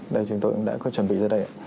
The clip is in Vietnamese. đây chúng tôi đã có chuẩn bị ra đây